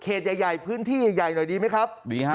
ใหญ่ใหญ่พื้นที่ใหญ่หน่อยดีไหมครับดีฮะ